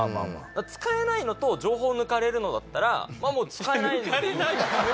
使えないのと情報を抜かれるのだったら使えないのでいい。